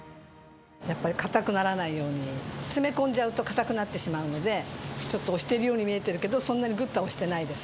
やっぱり硬くならないように、詰め込んじゃうと硬くなってしまうので、ちょっと押しているように見えているけど、そんなにぐっとは押してないです。